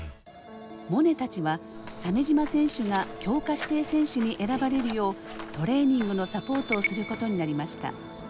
モネたちは鮫島選手が強化指定選手に選ばれるようトレーニングのサポートをすることになりました。